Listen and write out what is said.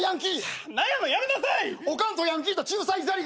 おかんとヤンキーと仲裁ザリガニ。